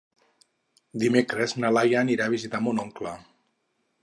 Dimecres na Laia anirà a visitar mon oncle.